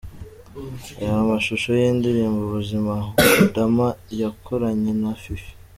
Reba amashusho y'indirimbo 'Ubuzima' Kodama yakoranye na Fifi.